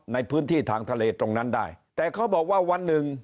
ในพื้นที่ทางทะเลตรงนั้นได้แต่เขาบอกว่าวันหนึ่ง